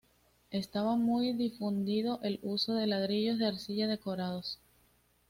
Estaba muy difundido el uso de ladrillos de arcilla decorados.